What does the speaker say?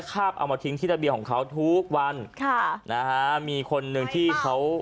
คาบเอามาทิ้งที่ระเบียงของเขาทุกวันค่ะนะฮะมีคนหนึ่งที่เขา